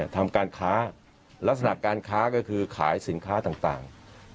ทำการค้าลักษณะการค้าก็คือขายสินค้าต่าง